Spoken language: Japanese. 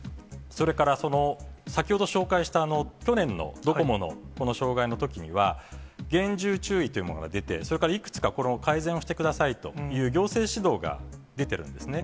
それから、先ほど紹介した、去年のドコモのこの障害のときには、厳重注意というものが出て、それからいくつかこれを改善をしてくださいという行政指導が出てるんですね。